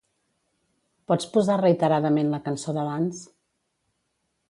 Pots posar reiteradament la cançó d'abans?